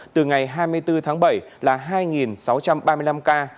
từ ngày hai mươi bốn tháng bảy là hai sáu trăm ba mươi năm ca